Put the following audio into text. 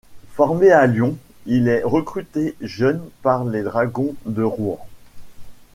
Formé à Lyon, il est recruté jeune par les Dragons de Rouen.